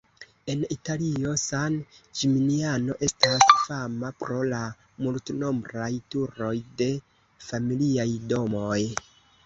En Italio, San Ĝiminiano estas fama pro la multnombraj turoj de familiaj domoj.